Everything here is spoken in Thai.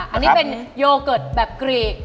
อันนี้เป็นโยเกิร์ตแบบกรีก